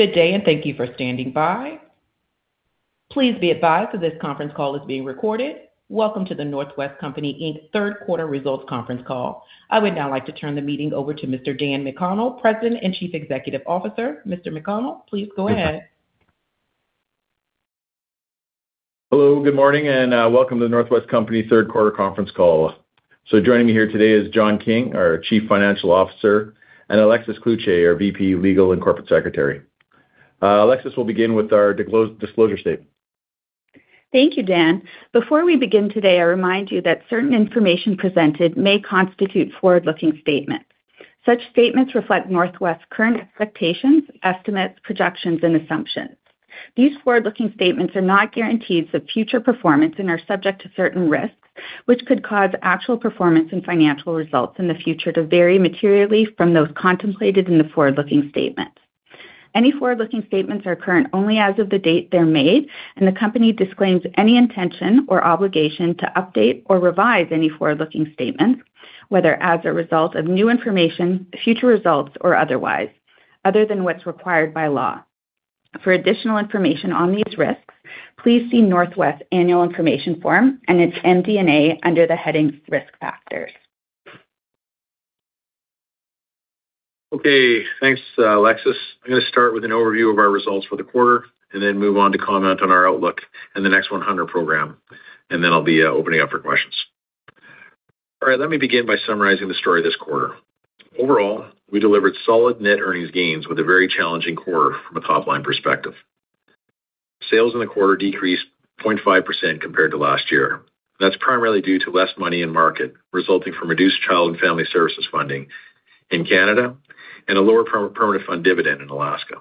Good day, and thank you for standing by. Please be advised that this conference call is being recorded. Welcome to the North West Company Inc Third Quarter Results Conference Call. I would now like to turn the meeting over to Mr. Dan McConnell, President and Chief Executive Officer. Mr. McConnell, please go ahead. Hello. Good morning, and welcome to The North West Company Third Quarter Conference Call. So joining me here today is John King, our Chief Financial Officer, and Alexis Cloutier, our VP Legal and Corporate Secretary. Alexis will begin with our disclosure statement. Thank you, Dan. Before we begin today, I remind you that certain information presented may constitute forward-looking statements. Such statements reflect North West's current expectations, estimates, projections, and assumptions. These forward-looking statements are not guarantees of future performance and are subject to certain risks, which could cause actual performance and financial results in the future to vary materially from those contemplated in the forward-looking statements. Any forward-looking statements are current only as of the date they're made, and the company disclaims any intention or obligation to update or revise any forward-looking statements, whether as a result of new information, future results, or otherwise, other than what's required by law. For additional information on these risks, please see North West's Annual Information Form and its MD&A under the headings Risk Factors. Okay. Thanks, Alexis. I'm going to start with an overview of our results for the quarter and then move on to comment on our outlook and the Next 100 program. And then I'll be opening up for questions. All right. Let me begin by summarizing the story of this quarter. Overall, we delivered solid net earnings gains with a very challenging quarter from a top-line perspective. Sales in the quarter decreased 0.5% compared to last year. That's primarily due to less money in market resulting from reduced child and family services funding in Canada and a lower Permanent Fund Dividend in Alaska.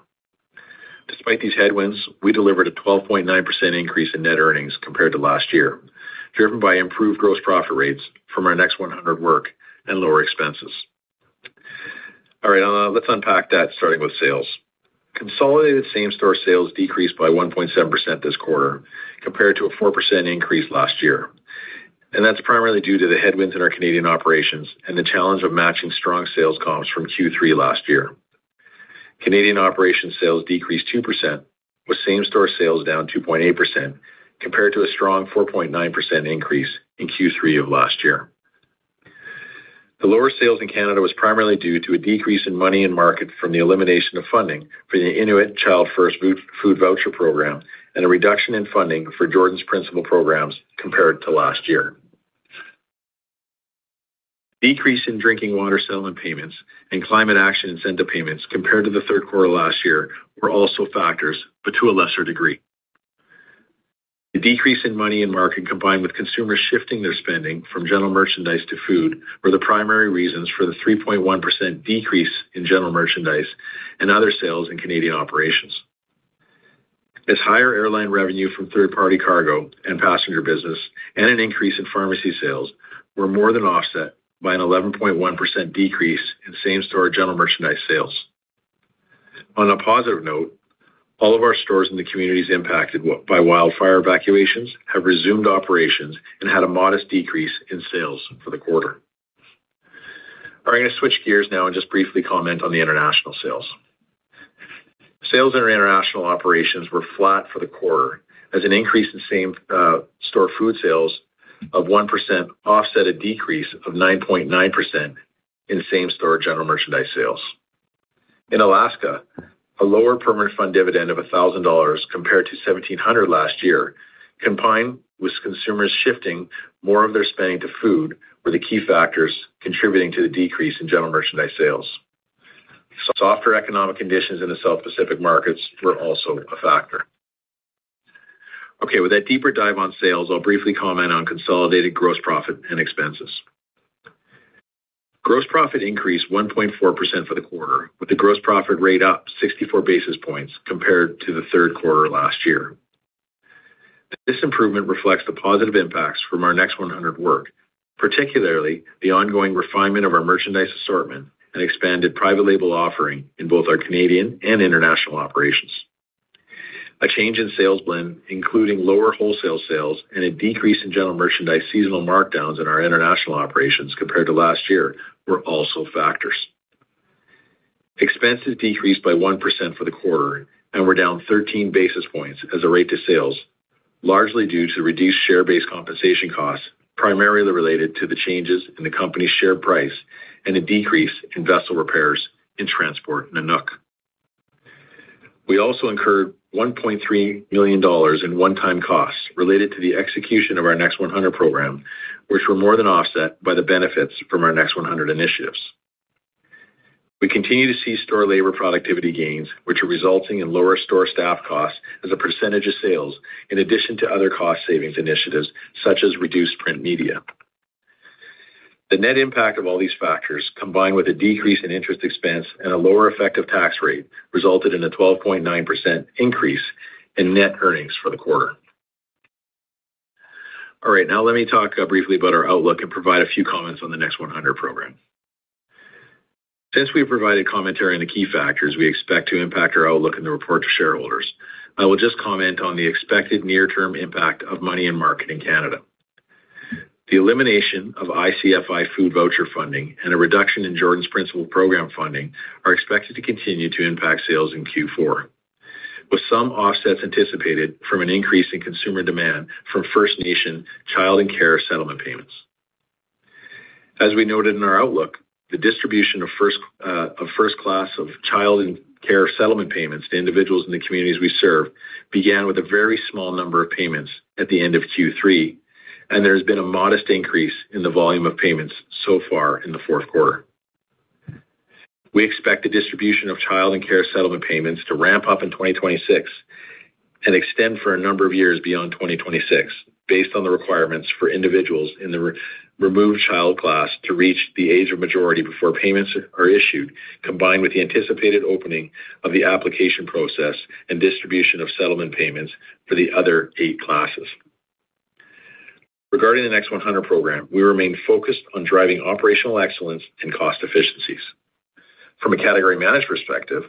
Despite these headwinds, we delivered a 12.9% increase in net earnings compared to last year, driven by improved gross profit rates from our Next 100 work and lower expenses. All right. Let's unpack that, starting with sales. Consolidated same-store sales decreased by 1.7% this quarter compared to a 4% increase last year. That's primarily due to the headwinds in our Canadian operations and the challenge of matching strong sales comps from Q3 last year. Canadian operations sales decreased 2%, with same-store sales down 2.8% compared to a strong 4.9% increase in Q3 of last year. The lower sales in Canada was primarily due to a decrease in money in market from the elimination of funding for the Inuit Child First Food Voucher Program and a reduction in funding for Jordan's Principle programs compared to last year. Decrease in drinking water settlement payments and climate action incentive payments compared to the third quarter last year were also factors, but to a lesser degree. The decrease in money in market, combined with consumers shifting their spending from general merchandise to food, were the primary reasons for the 3.1% decrease in general merchandise and other sales in Canadian operations. As higher airline revenue from third-party cargo and passenger business and an increase in pharmacy sales were more than offset by an 11.1% decrease in same-store general merchandise sales. On a positive note, all of our stores in the communities impacted by wildfire evacuations have resumed operations and had a modest decrease in sales for the quarter. All right. I'm going to switch gears now and just briefly comment on the international sales. Sales in our international operations were flat for the quarter, as an increase in same-store food sales of 1% offset a decrease of 9.9% in same-store general merchandise sales. In Alaska, a lower Permanent Fund Dividend of $1,000 compared to $1,700 last year, combined with consumers shifting more of their spending to food, were the key factors contributing to the decrease in general merchandise sales. Softer economic conditions in the South Pacific markets were also a factor. Okay. With that deeper dive on sales, I'll briefly comment on consolidated gross profit and expenses. Gross profit increased 1.4% for the quarter, with the gross profit rate up 64 basis points compared to the third quarter last year. This improvement reflects the positive impacts from our Next 100 work, particularly the ongoing refinement of our merchandise assortment and expanded private label offering in both our Canadian and international operations. A change in sales blend, including lower wholesale sales and a decrease in general merchandise seasonal markdowns in our international operations compared to last year, were also factors. Expenses decreased by 1% for the quarter and were down 13 basis points as a rate to sales, largely due to reduced share-based compensation costs, primarily related to the changes in the company's share price and a decrease in vessel repairs in Transport Nanuk. We also incurred 1.3 million dollars in one-time costs related to the execution of our Next 100 program, which were more than offset by the benefits from our Next 100 initiatives. We continue to see store labor productivity gains, which are resulting in lower store staff costs as a percentage of sales, in addition to other cost savings initiatives such as reduced print media. The net impact of all these factors, combined with a decrease in interest expense and a lower effective tax rate, resulted in a 12.9% increase in net earnings for the quarter. All right. Now, let me talk briefly about our Outlook and provide a few comments on the Next 100 program. Since we've provided commentary on the key factors we expect to impact our Outlook in the report to shareholders, I will just comment on the expected near-term impact of money in market in Canada. The elimination of ICFI Food Voucher funding and a reduction in Jordan's Principle program funding are expected to continue to impact sales in Q4, with some offsets anticipated from an increase in consumer demand from First Nations child and care settlement payments. As we noted in our Outlook, the distribution of First Nations child and care settlement payments to individuals in the communities we serve began with a very small number of payments at the end of Q3, and there has been a modest increase in the volume of payments so far in the fourth quarter. We expect the distribution of child and care settlement payments to ramp up in 2026 and extend for a number of years beyond 2026, based on the requirements for individuals in the removed child class to reach the age of majority before payments are issued, combined with the anticipated opening of the application process and distribution of settlement payments for the other eight classes. Regarding the Next 100 program, we remain focused on driving operational excellence and cost efficiencies. From a category management perspective,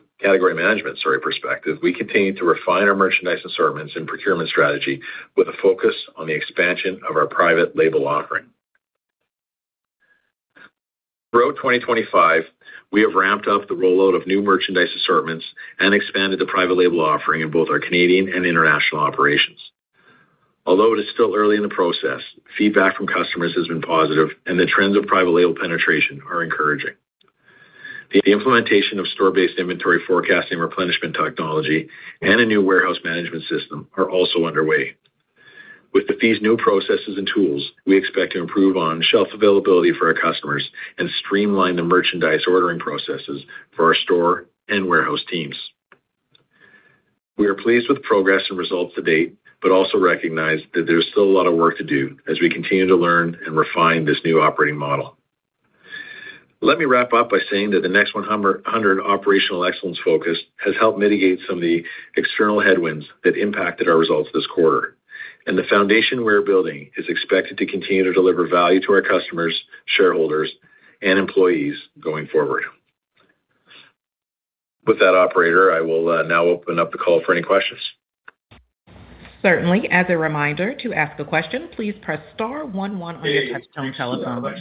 we continue to refine our merchandise assortments and procurement strategy with a focus on the expansion of our private label offering. Throughout 2025, we have ramped up the rollout of new merchandise assortments and expanded the private label offering in both our Canadian and international operations. Although it is still early in the process, feedback from customers has been positive, and the trends of private label penetration are encouraging. The implementation of store-based inventory forecasting replenishment technology and a new warehouse management system are also underway. With these new processes and tools, we expect to improve on shelf availability for our customers and streamline the merchandise ordering processes for our store and warehouse teams. We are pleased with the progress and results to date, but also recognize that there's still a lot of work to do as we continue to learn and refine this new operating model. Let me wrap up by saying that the Next 100 operational excellence focus has helped mitigate some of the external headwinds that impacted our results this quarter, and the foundation we're building is expected to continue to deliver value to our customers, shareholders, and employees going forward. With that, operator, I will now open up the call for any questions. Certainly. As a reminder, to ask a question, please press star one one on your touch-tone telephone.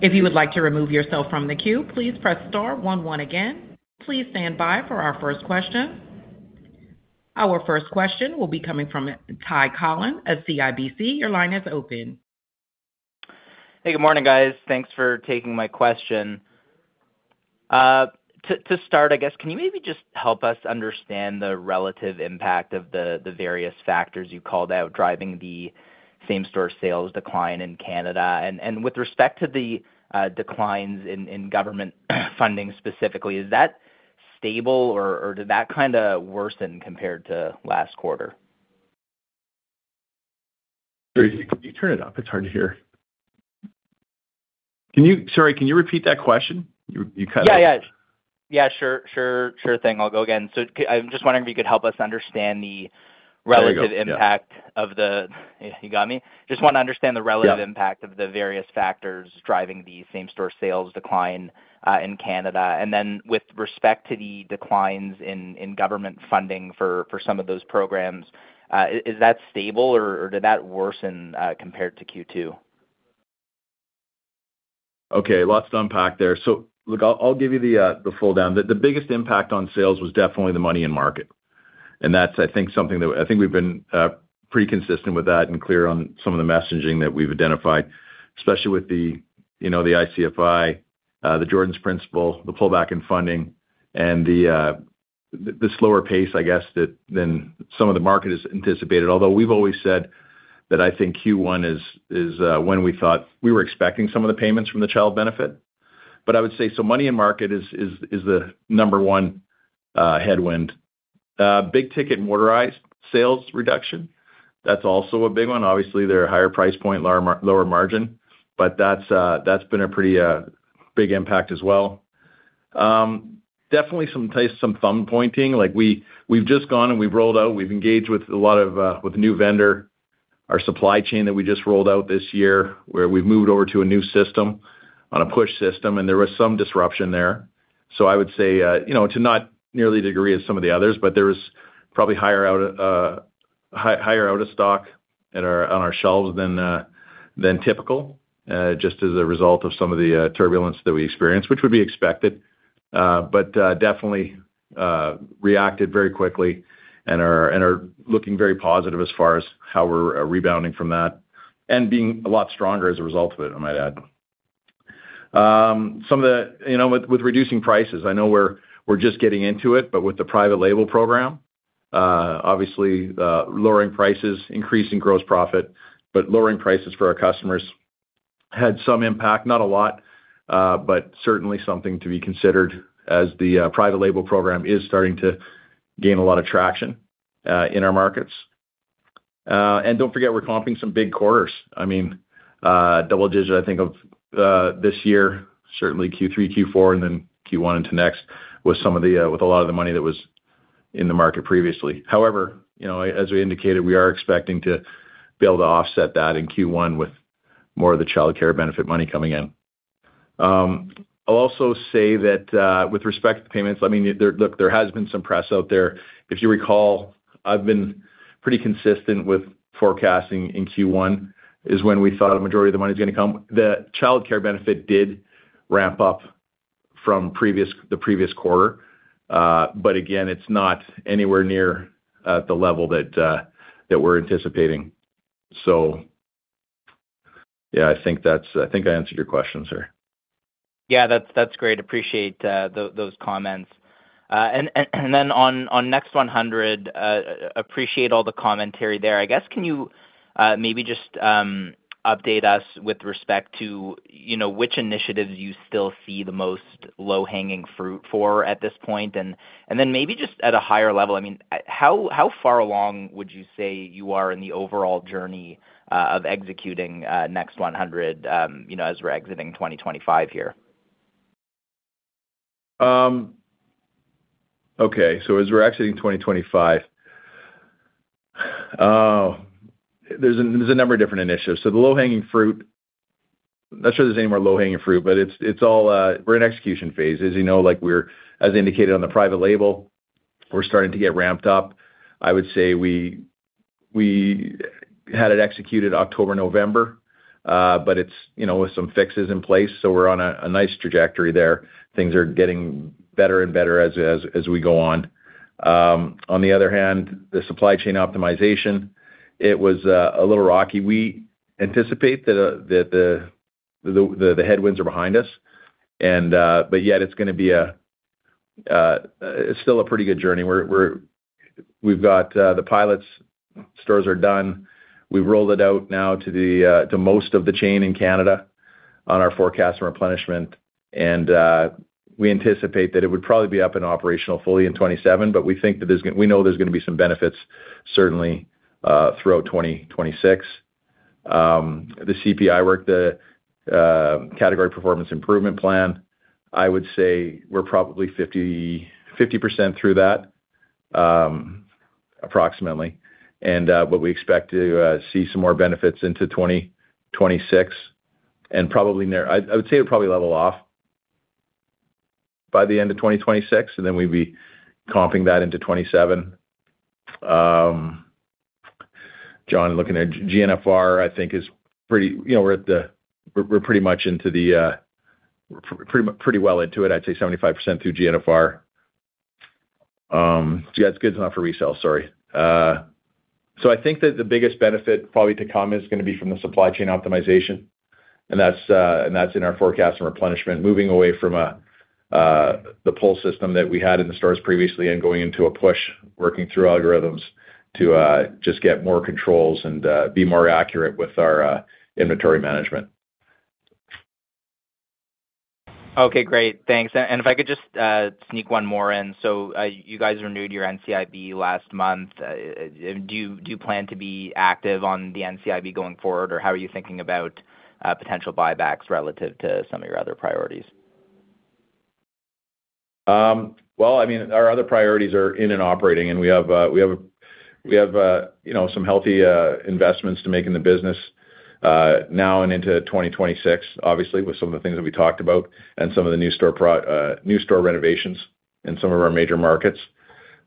If you would like to remove yourself from the queue, please press star one one again. Please stand by for our first question. Our first question will be coming from Ty Collin at CIBC. Your line is open. Hey, good morning, guys. Thanks for taking my question. To start, I guess, can you maybe just help us understand the relative impact of the various factors you called out driving the same-store sales decline in Canada? And with respect to the declines in government funding specifically, is that stable, or did that kind of worsen compared to last quarter? Could you turn it up? It's hard to hear. Sorry, can you repeat that question? You cut out. Yeah, yeah. Yeah, sure. Sure thing. I'll go again. So I'm just wondering if you could help us understand the relative impact of the, yeah, you got me? Just want to understand the relative impact of the various factors driving the same-store sales decline in Canada. And then with respect to the declines in government funding for some of those programs, is that stable, or did that worsen compared to Q2? Okay. Lots to unpack there, so look, I'll give you the full rundown. The biggest impact on sales was definitely the money in market, and that's, I think, something that I think we've been pretty consistent with that and clear on some of the messaging that we've identified, especially with the ICFI, the Jordan's Principle, the pullback in funding, and the slower pace, I guess, than some of the market has anticipated. Although we've always said that, I think Q1 is when we thought we were expecting some of the payments from the child benefit. But I would say so money in market is the number one headwind. Big-ticket motorized sales reduction, that's also a big one. Obviously, they're a higher price point, lower-margin, but that's been a pretty big impact as well. Definitely some competition. We've just gone and we've rolled out. We've engaged with a lot of new vendor, our supply chain that we just rolled out this year, where we've moved over to a new system on a push system, and there was some disruption there, so I would say to not nearly the degree of some of the others, but there was probably higher out of stock on our shelves than typical, just as a result of some of the turbulence that we experienced, which would be expected, but definitely reacted very quickly and are looking very positive as far as how we're rebounding from that and being a lot stronger as a result of it, I might add. Some of the with reducing prices, I know we're just getting into it, but with the private label program, obviously lowering prices, increasing gross profit, but lowering prices for our customers had some impact. Not a lot, but certainly something to be considered as the private label program is starting to gain a lot of traction in our markets. And don't forget, we're comping some big quarters. I mean, double-digit, I think, of this year, certainly Q3, Q4, and then Q1 into next with a lot of the money that was in the market previously. However, as we indicated, we are expecting to be able to offset that in Q1 with more of the childcare benefit money coming in. I'll also say that with respect to payments, I mean, look, there has been some press out there. If you recall, I've been pretty consistent with forecasting in Q1 is when we thought a majority of the money's going to come. The childcare benefit did ramp up from the previous quarter, but again, it's not anywhere near the level that we're anticipating. So yeah, I think I answered your question, sir. Yeah, that's great. Appreciate those comments. And then on Next 100, appreciate all the commentary there. I guess can you maybe just update us with respect to which initiatives you still see the most low-hanging fruit for at this point? And then maybe just at a higher level, I mean, how far along would you say you are in the overall journey of executing Next 100 as we're exiting 2025 here? Okay, so as we're exiting 2025, there's a number of different initiatives, so the low-hanging fruit, not sure there's any more low-hanging fruit, but we're in execution phases. As indicated on the private label, we're starting to get ramped up. I would say we had it executed October, November, but it's with some fixes in place, so we're on a nice trajectory there. Things are getting better and better as we go on. On the other hand, the supply chain optimization, it was a little rocky. We anticipate that the headwinds are behind us, but yet it's going to be still a pretty good journey. We've got the pilots, stores are done. We've rolled it out now to most of the chain in Canada on our forecast and replenishment, and we anticipate that it would probably be up and operational fully in 2027, but we think that there's going to—we know there's going to be some benefits certainly throughout 2026. The CPI work, the category performance improvement plan, I would say we're probably 50% through that, approximately, and what we expect to see some more benefits into 2026, and I would say it would probably level off by the end of 2026, and then we'd be comping that into 2027. John, looking at GNFR, I think is pretty—we're pretty much into the—pretty well into it, I'd say 75% through GNFR. Yeah, it's Goods Not For Resale, sorry. So I think that the biggest benefit probably to come is going to be from the supply chain optimization, and that's in our forecast and replenishment, moving away from the pull system that we had in the stores previously and going into a push, working through algorithms to just get more controls and be more accurate with our inventory management. Okay, great. Thanks. And if I could just sneak one more in. So you guys renewed your NCIB last month. Do you plan to be active on the NCIB going forward, or how are you thinking about potential buybacks relative to some of your other priorities? Well, I mean, our other priorities are cap and operating, and we have some healthy investments to make in the business now and into 2026, obviously, with some of the things that we talked about and some of the new store renovations in some of our major markets.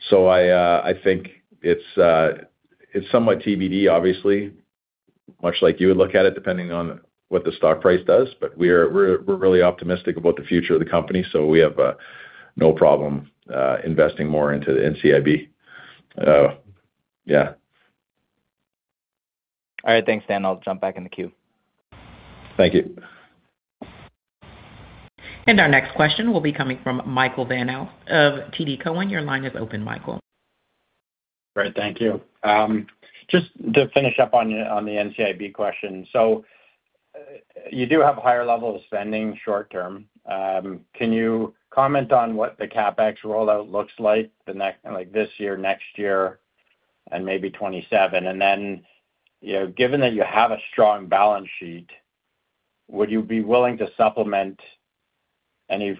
So I think it's somewhat TBD, obviously, much like you would look at it depending on what the stock price does, but we're really optimistic about the future of the company, so we have no problem investing more into the NCIB. Yeah. All right. Thanks, Dan. I'll jump back in the queue. Thank you. Our next question will be coming from Michael Van Aelst of TD Cowen. Your line is open, Michael. All right. Thank you. Just to finish up on the NCIB question, so you do have a higher level of spending short term. Can you comment on what the CapEx rollout looks like this year, next year, and maybe 2027? And then given that you have a strong balance sheet, would you be willing to supplement any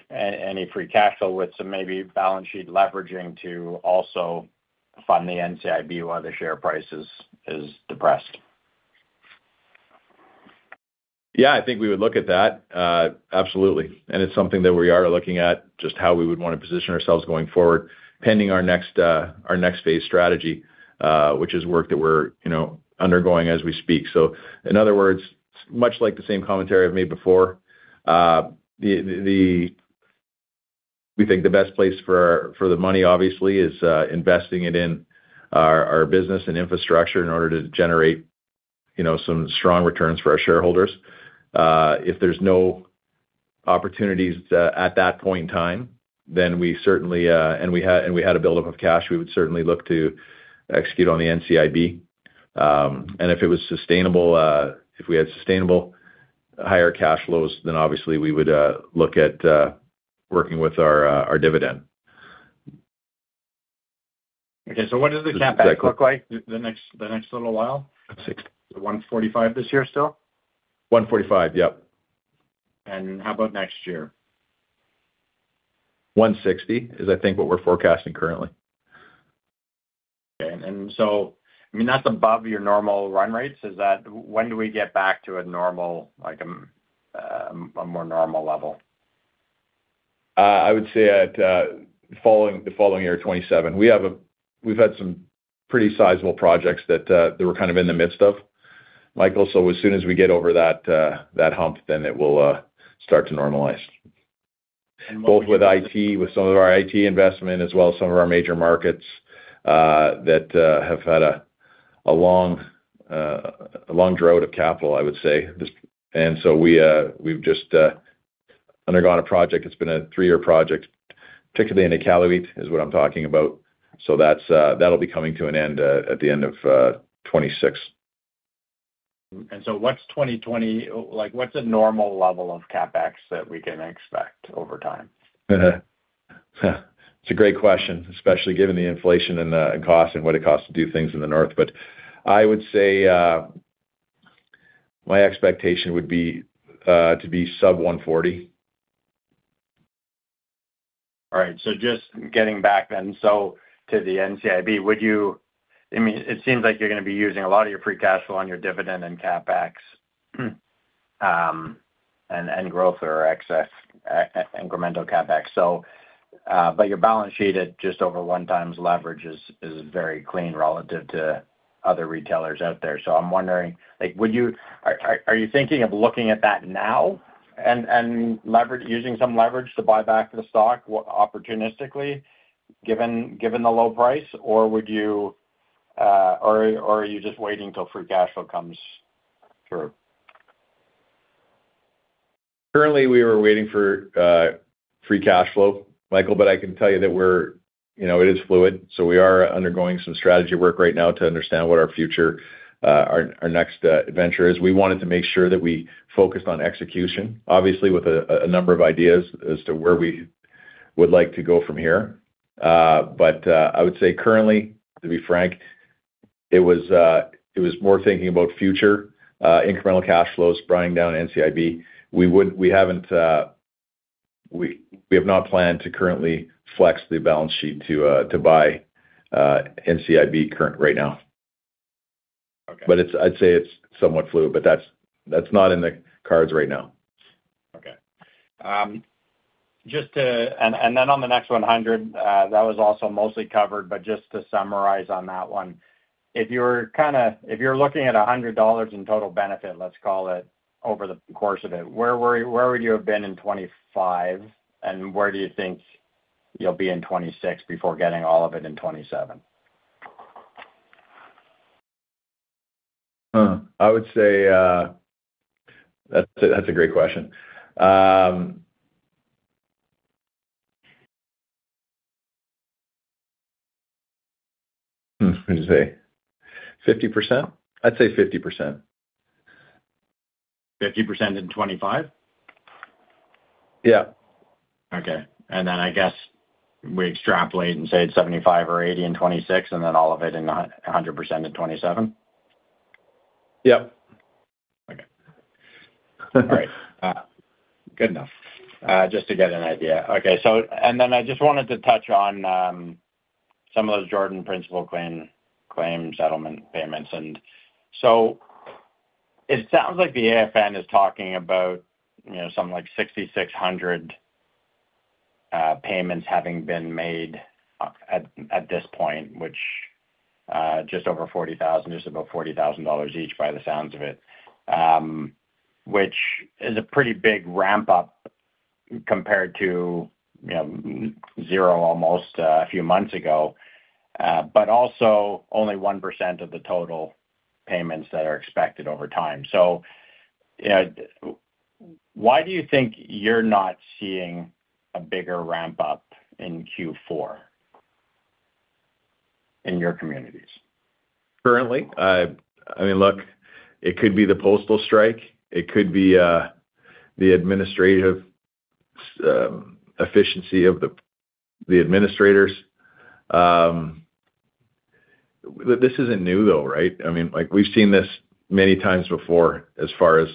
free cash flow with some maybe balance sheet leveraging to also fund the NCIB while the share price is depressed? Yeah, I think we would look at that. Absolutely, and it's something that we are looking at, just how we would want to position ourselves going forward, pending our next phase strategy, which is work that we're undergoing as we speak, so in other words, much like the same commentary I've made before, we think the best place for the money, obviously, is investing it in our business and infrastructure in order to generate some strong returns for our shareholders. If there's no opportunities at that point in time, then we certainly, and we had a buildup of cash, we would certainly look to execute on the NCIB, and if it was sustainable, if we had sustainable higher cash flows, then obviously we would look at working with our dividend. Okay. So what does the CapEx look like the next little while? 160. Is it 145 this year still? 145, yep. How about next year? 160 is, I think, what we're forecasting currently. Okay. And so I mean, that's above your normal run rates. When do we get back to a more normal level? I would say the following year, 2027. We've had some pretty sizable projects that we're kind of in the midst of, Michael. So as soon as we get over that hump, then it will start to normalize. What will? Both with IT, with some of our IT investment, as well as some of our major markets that have had a long drought of capital, I would say, and so we've just undergone a project. It's been a three-year project, particularly in the Iqaluit, is what I'm talking about, so that'll be coming to an end at the end of 2026. And so, what's 2020? What's a normal level of CapEx that we can expect over time? It's a great question, especially given the inflation and cost and what it costs to do things in the north. But I would say my expectation would be to be sub 140. All right, so just getting back then to the NCIB, I mean, it seems like you're going to be using a lot of your free cash flow on your dividend and CapEx and growth or excess incremental CapEx, but your balance sheet at just over one times leverage is very clean relative to other retailers out there, so I'm wondering, are you thinking of looking at that now and using some leverage to buy back the stock opportunistically given the low price, or are you just waiting till free cash flow comes through? Currently, we are waiting for free cash flow, Michael, but I can tell you that it is fluid. So we are undergoing some strategy work right now to understand what our future, our next adventure is. We wanted to make sure that we focused on execution, obviously, with a number of ideas as to where we would like to go from here. But I would say currently, to be frank, it was more thinking about future incremental cash flows spraying down NCIB. We have not planned to currently flex the balance sheet to buy NCIB currently right now. But I'd say it's somewhat fluid, but that's not in the cards right now. Okay. And then on the Next 100, that was also mostly covered, but just to summarize on that one, if you're looking at 100 dollars in total benefit, let's call it, over the course of it, where would you have been in 2025, and where do you think you'll be in 2026 before getting all of it in 2027? I would say that's a great question. What did you say? 50%? I'd say 50%. 50% in 2025? Yeah. Okay. And then I guess we extrapolate and say it's 75% or 80% in 2026, and then all of it in 100% in 2027? Yep. Okay. All right. Good enough. Just to get an idea. Okay. And then I just wanted to touch on some of those Jordan's Principle claim settlement payments. And so it sounds like the AFN is talking about something like 6,600 payments having been made at this point, which just over 40,000, just about 40,000 dollars each by the sounds of it, which is a pretty big ramp-up compared to zero almost a few months ago, but also only 1% of the total payments that are expected over time. So why do you think you're not seeing a bigger ramp-up in Q4 in your communities? Currently? I mean, look, it could be the postal strike. It could be the administrative efficiency of the administrators. This isn't new, though, right? I mean, we've seen this many times before as far as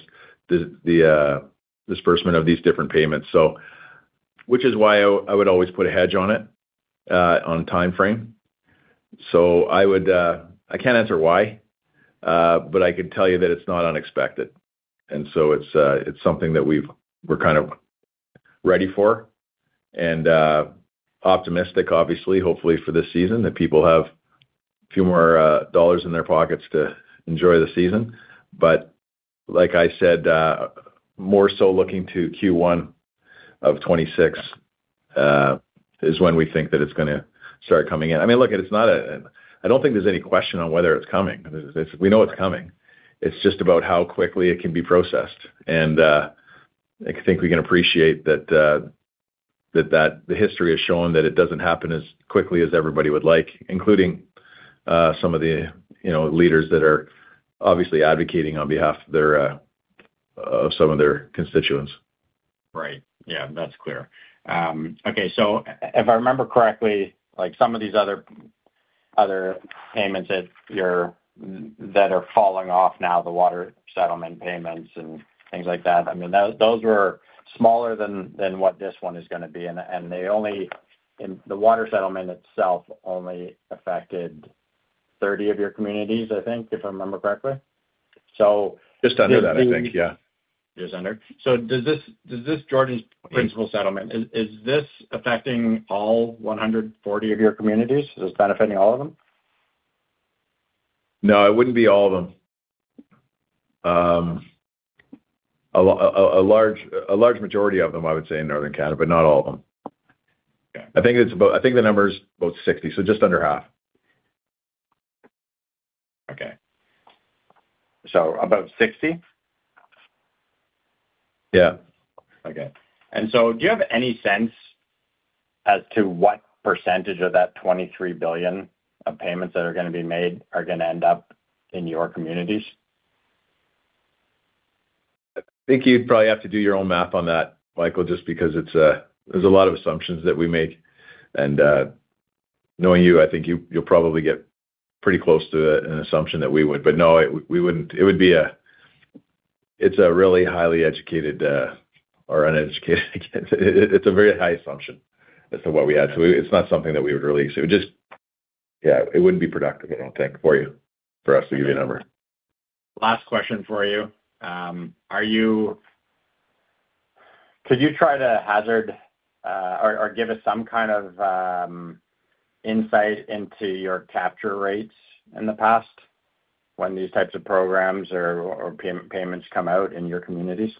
the disbursement of these different payments, which is why I would always put a hedge on it on timeframe. So I can't answer why, but I could tell you that it's not unexpected. And so it's something that we're kind of ready for and optimistic, obviously, hopefully for this season, that people have a few more dollars in their pockets to enjoy the season. But like I said, more so looking to Q1 of 2026 is when we think that it's going to start coming in. I mean, look, it's not a—I don't think there's any question on whether it's coming. We know it's coming. It's just about how quickly it can be processed. And I think we can appreciate that the history has shown that it doesn't happen as quickly as everybody would like, including some of the leaders that are obviously advocating on behalf of some of their constituents. Right. Yeah. That's clear. Okay, so if I remember correctly, some of these other payments that are falling off now, the water settlement payments and things like that, I mean, those were smaller than what this one is going to be, and the water settlement itself only affected 30 of your communities, I think, if I remember correctly. So. Just under that, I think. Yeah. Just under. So does this Jordan's Principle Settlement, is this affecting all 140 of your communities? Is this benefiting all of them? No, it wouldn't be all of them. A large majority of them, I would say, in Northern Canada, but not all of them. I think the number is about 60, so just under half. Okay, so about 60? Yeah. Okay. And so do you have any sense as to what percentage of that 23 billion of payments that are going to be made are going to end up in your communities? I think you'd probably have to do your own math on that, Michael, just because there's a lot of assumptions that we make, and knowing you, I think you'll probably get pretty close to an assumption that we would, but no, it would be a, it's a really highly educated or uneducated, it's a very high assumption as to what we had, so it's not something that we would really, yeah, it wouldn't be productive, I don't think, for you, for us to give you a number. Last question for you. Could you try to hazard or give us some kind of insight into your capture rates in the past when these types of programs or payments come out in your communities?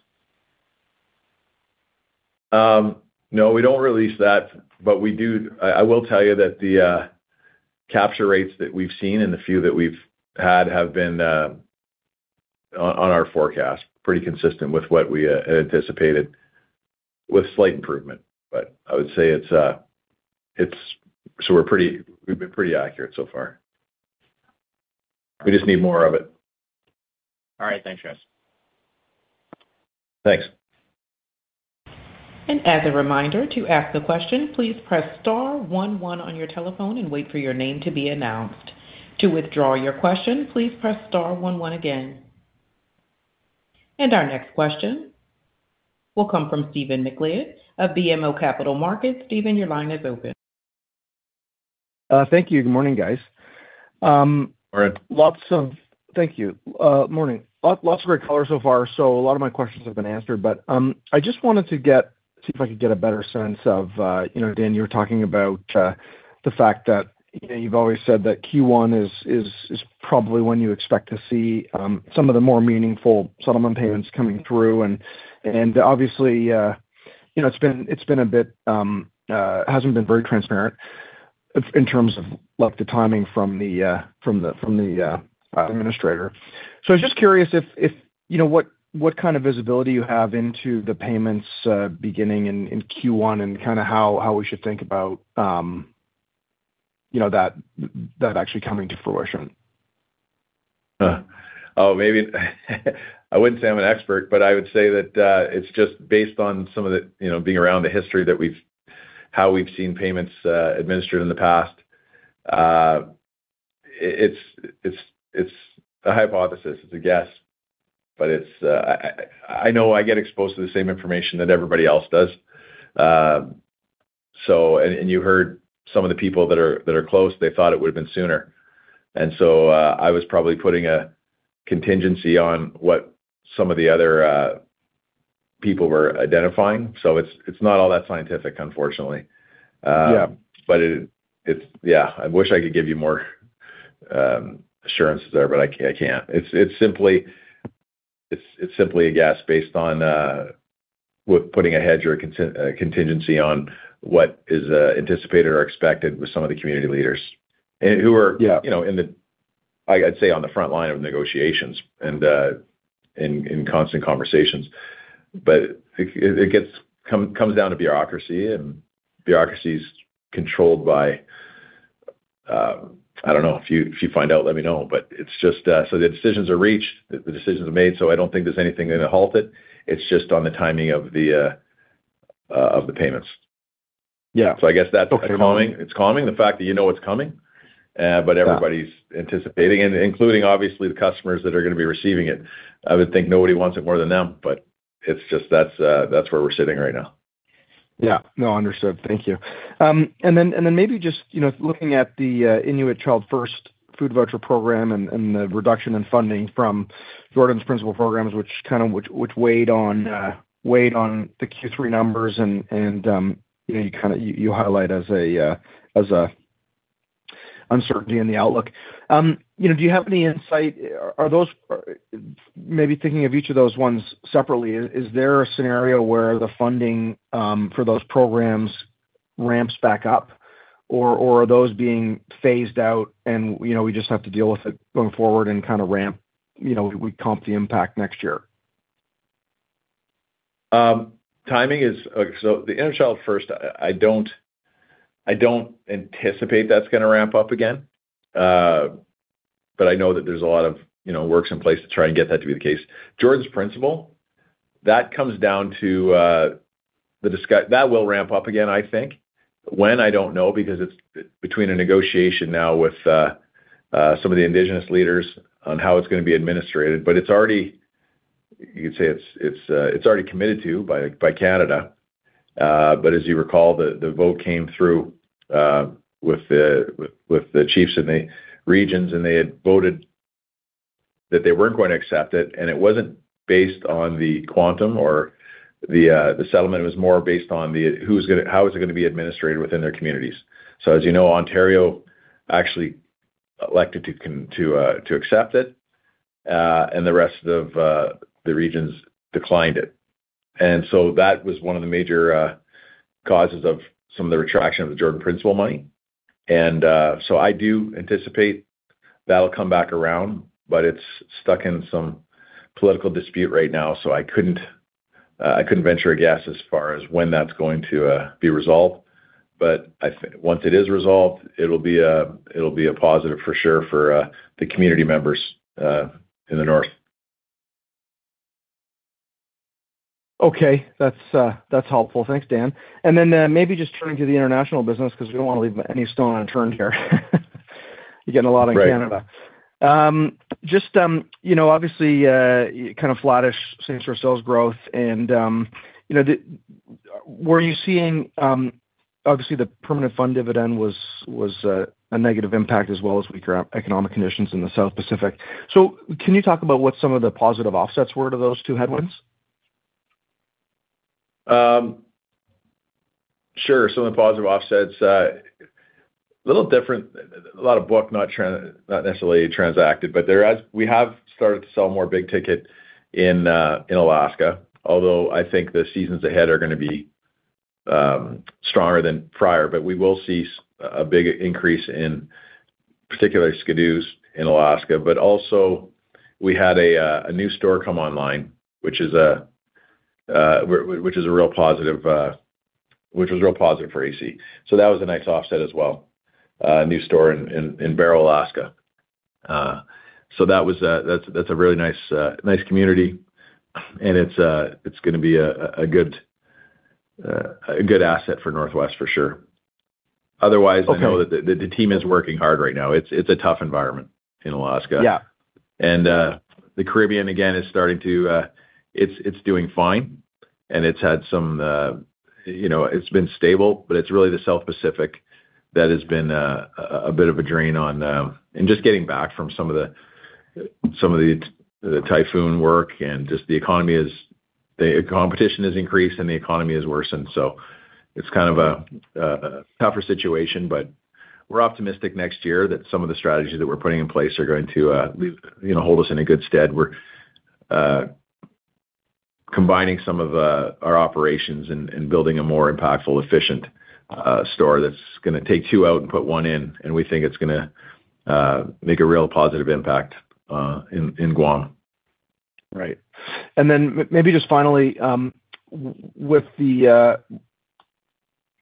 No, we don't release that, but we do. I will tell you that the capture rates that we've seen and the few that we've had have been on our forecast, pretty consistent with what we anticipated, with slight improvement, but I would say it's so we've been pretty accurate so far. We just need more of it. All right. Thanks guys. Thanks. As a reminder, to ask the question, please press star one one on your telephone and wait for your name to be announced. To withdraw your question, please press star one one again. Our next question will come from Stephen MacLeod of BMO Capital Markets. Stephen, your line is open. Thank you. Good morning, guys. Morning. Thank you. Morning, lots of great callers so far, so a lot of my questions have been answered, but I just wanted to see if I could get a better sense of, Dan, you were talking about the fact that you've always said that Q1 is probably when you expect to see some of the more meaningful settlement payments coming through, and obviously, it's been a bit, hasn't been very transparent in terms of the timing from the administrator, so I was just curious if what kind of visibility you have into the payments beginning in Q1 and kind of how we should think about that actually coming to fruition? Oh, maybe. I wouldn't say I'm an expert, but I would say that it's just based on some of the being around the history that we've, how we've seen payments administered in the past. It's a hypothesis. It's a guess, but I know I get exposed to the same information that everybody else does, and you heard some of the people that are close, they thought it would have been sooner, and so I was probably putting a contingency on what some of the other people were identifying, so it's not all that scientific, unfortunately, but yeah, I wish I could give you more assurances there, but I can't. It's simply a guess based on putting a hedge or a contingency on what is anticipated or expected with some of the community leaders who are, I'd say, on the front line of negotiations and in constant conversations. But it comes down to bureaucracy, and bureaucracy is controlled by, I don't know. If you find out, let me know. But it's just so the decisions are reached, the decisions are made, so I don't think there's anything going to halt it. It's just on the timing of the payments. So I guess that's coming. It's calming, the fact that you know it's coming, but everybody's anticipating, including, obviously, the customers that are going to be receiving it. I would think nobody wants it more than them, but it's just that's where we're sitting right now. Yeah. No, understood. Thank you. And then maybe just looking at the Inuit Child First Food Voucher program and the reduction in funding from Jordan's Principle programs, which kind of weighed on the Q3 numbers and you highlight as an uncertainty in the outlook. Do you have any insight? Maybe thinking of each of those ones separately, is there a scenario where the funding for those programs ramps back up, or are those being phased out and we just have to deal with it going forward and kind of ramp—we comp the impact next year? Timing is so the Inuit Child First, I don't anticipate that's going to ramp up again, but I know that there's a lot of work in place to try and get that to be the case. Jordan's Principle, that comes down to that will ramp up again, I think. When? I don't know because it's between a negotiation now with some of the Indigenous leaders on how it's going to be administered, but it's already, you could say it's already committed to by Canada, but as you recall, the vote came through with the chiefs and the regions, and they had voted that they weren't going to accept it, and it wasn't based on the quantum or the settlement. It was more based on how it was going to be administered within their communities, so as you know, Ontario actually elected to accept it, and the rest of the regions declined it. And so that was one of the major causes of some of the retraction of the Jordan's Principle money. And so I do anticipate that'll come back around, but it's stuck in some political dispute right now, so I couldn't venture a guess as far as when that's going to be resolved. But once it is resolved, it'll be a positive for sure for the community members in the north. Okay. That's helpful. Thanks, Dan. And then maybe just turning to the international business because we don't want to leave any stone unturned here. You're getting a lot of Canada. Just obviously kind of flattish, same sort of sales growth. And were you seeing, obviously, the permanent fund dividend was a negative impact as well as weaker economic conditions in the South Pacific. So can you talk about what some of the positive offsets were to those two headwinds? Sure. Some of the positive offsets, a little different, a lot of book, not necessarily transacted. But we have started to sell more big ticket in Alaska, although I think the seasons ahead are going to be stronger than prior. But we will see a big increase in particularly Ski-Doos in Alaska. But also, we had a new store come online, which is a real positive, which was real positive for AC. So that was a nice offset as well. A new store in Barrow, Alaska. So that's a really nice community, and it's going to be a good asset for Northwest for sure. Otherwise, I know that the team is working hard right now. It's a tough environment in Alaska. And the Caribbean, again, is starting to, it's doing fine, and it's had some, it's been stable, but it's really the South Pacific that has been a bit of a drain on and just getting back from some of the typhoon work, and just the economy is, the competition has increased and the economy has worsened, so it's kind of a tougher situation, but we're optimistic next year that some of the strategies that we're putting in place are going to hold us in a good stead. We're combining some of our operations and building a more impactful, efficient store that's going to take two out and put one in, and we think it's going to make a real positive impact in Guam. Right. And then maybe just finally, with the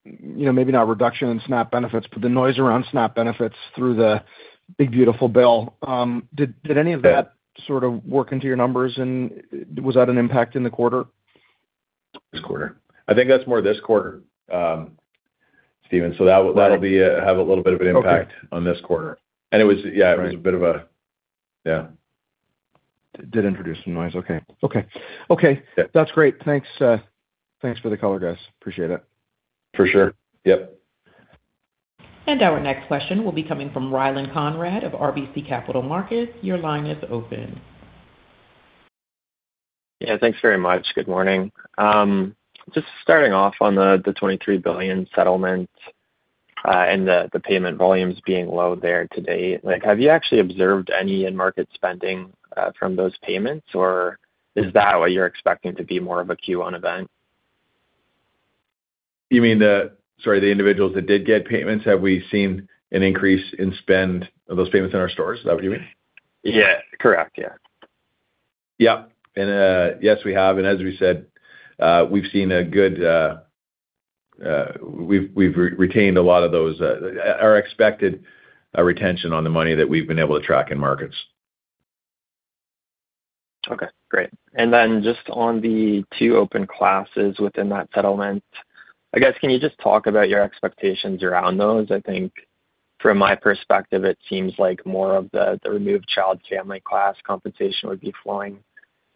maybe not reduction in SNAP benefits, but the noise around SNAP benefits through the Big Beautiful Bill, did any of that sort of work into your numbers, and was that an impact in the quarter? This quarter. I think that's more this quarter, Stephen. So that'll have a little bit of an impact on this quarter. And it was, yeah, it was a bit of a, yeah. Did introduce some noise. Okay. Okay. Okay. That's great. Thanks for the color, guys. Appreciate it. For sure. Yep. Our next question will be coming from Ryland Conrad of RBC Capital Markets. Your line is open. Yeah. Thanks very much. Good morning. Just starting off on the $23 billion settlement and the payment volumes being low there today, have you actually observed any in-market spending from those payments, or is that what you're expecting to be more of a Q1 event? You mean the individuals that did get payments? Have we seen an increase in spend of those payments in our stores? Is that what you mean? Yeah. Correct. Yeah. Yep. And yes, we have. And as we said, we've retained a lot of those, our expected retention on the money that we've been able to track in markets. Okay. Great. And then just on the two open classes within that settlement, I guess, can you just talk about your expectations around those? I think from my perspective, it seems like more of the removed child family class compensation would be flowing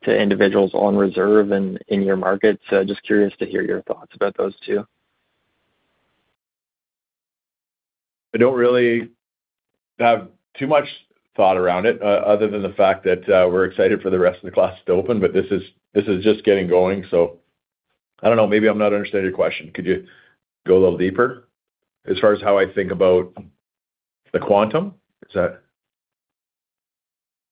to individuals on reserve in your market. So just curious to hear your thoughts about those two. I don't really have too much thought around it other than the fact that we're excited for the rest of the class to open, but this is just getting going. So I don't know. Maybe I'm not understanding your question. Could you go a little deeper as far as how I think about the quantum?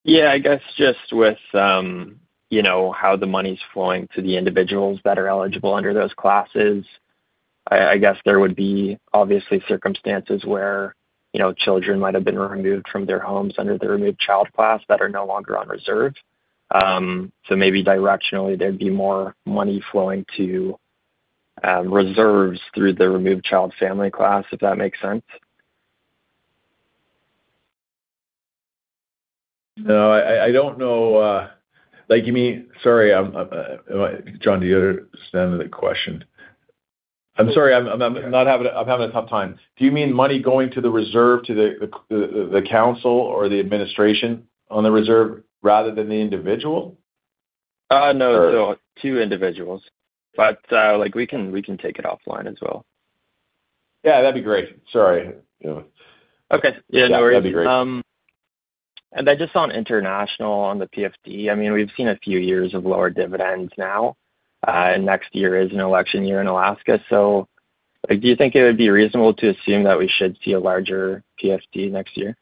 Yeah. I guess just with how the money's flowing to the individuals that are eligible under those classes, I guess there would be obviously circumstances where children might have been removed from their homes under the removed child class that are no longer on reserve. So maybe directionally, there'd be more money flowing to reserves through the removed child family class, if that makes sense. No, I don't know. You mean, sorry, John, do you understand the question? I'm sorry. I'm having a tough time. Do you mean money going to the reserve, to the council or the administration on the reserve rather than the individual? No, two individuals. But we can take it offline as well. Yeah, that'd be great. Sorry. Okay. Yeah, no worries. That'd be great. And then just on international on the PFD, I mean, we've seen a few years of lower dividends now, and next year is an election year in Alaska. So do you think it would be reasonable to assume that we should see a larger PFD next year?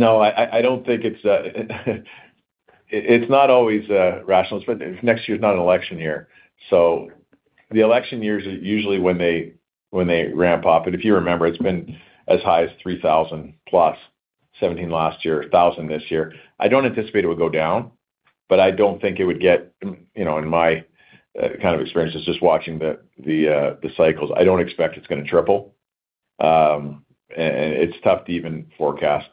No, I don't think it's. It's not always rational. Next year's not an election year. So the election years are usually when they ramp up. And if you remember, it's been as high as $3,000+, 2017 last year, $1,000 this year. I don't anticipate it would go down, but I don't think it would get, in my kind of experience, it's just watching the cycles. I don't expect it's going to triple. And it's tough to even forecast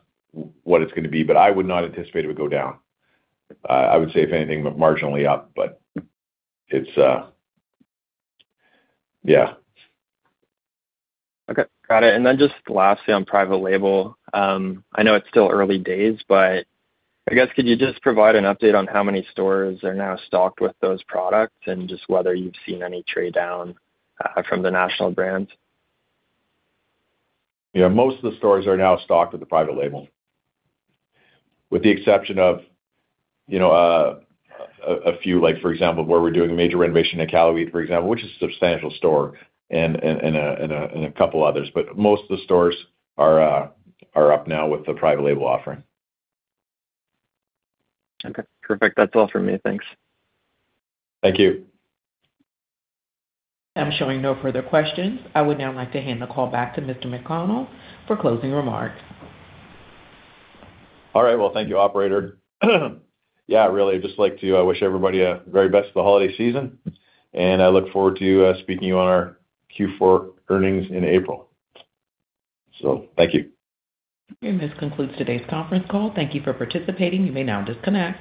what it's going to be, but I would not anticipate it would go down. I would say, if anything, marginally up, but it's. Yeah. Okay. Got it. And then just lastly on private label, I know it's still early days, but I guess could you just provide an update on how many stores are now stocked with those products and just whether you've seen any trade down from the national brands? Yeah. Most of the stores are now stocked with the private label, with the exception of a few, for example, where we're doing a major renovation in Iqaluit, for example, which is a substantial store, and a couple others. But most of the stores are up now with the private label offering. Okay. Perfect. That's all from me. Thanks. Thank you. I'm showing no further questions. I would now like to hand the call back to Mr. McConnell for closing remarks. All right, well, thank you, operator. Yeah, really, I'd just like to wish everybody a very best of the holiday season, and I look forward to speaking to you on our Q4 earnings in April, so thank you. This concludes today's conference call. Thank you for participating. You may now disconnect.